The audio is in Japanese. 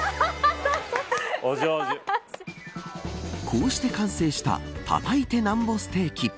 こうして完成した叩いてなんぼステーキ。